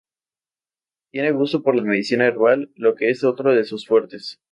Tiene gusto por la medicina herbal, lo que es otro de sus fuertes.